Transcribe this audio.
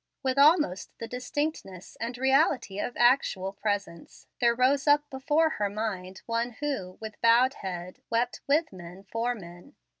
With almost the distinctness and reality of actual presence, there rose up before her mind One who, with bowed head, wept with men for men.